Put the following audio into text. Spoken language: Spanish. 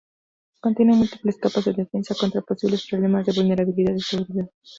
Contiene múltiples capas de defensa contra posibles problemas de vulnerabilidad de seguridad.